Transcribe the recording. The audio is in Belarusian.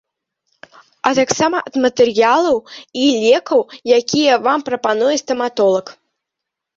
А таксама ад матэрыялаў і лекаў, якія вам прапануе стаматолаг.